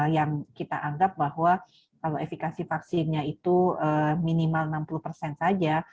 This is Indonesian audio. yang kita anggap bahwa kalau efekasi vaksinnya itu minimal enam puluh persen saja